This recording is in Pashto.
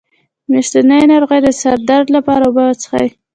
د میاشتنۍ ناروغۍ د سر درد لپاره اوبه وڅښئ